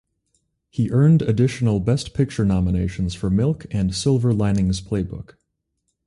He earned additional Best Picture nominations for "Milk" and "Silver Linings Playbook".